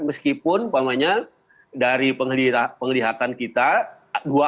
meskipun dari penglihatan kita